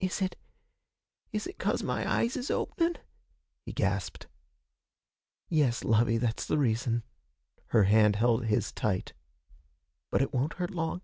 'Is it is it 'cause my eyes is openin'?' he gasped. 'Yes, lovey, that's the reason.' Her hand held his tight. 'But it won't hurt long.'